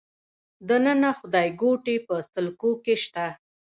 د ننه خدایګوټې په سکو کې شته